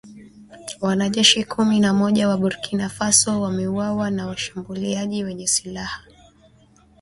Wanajeshi kumi na mmoja wa Burkina Faso wameuawa na washambuliaji wenye silaha